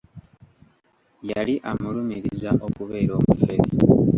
Yali amulumiriza okubeera omufere.